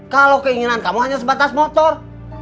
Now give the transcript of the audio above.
kalau keinginan kamu hanya sebatas motor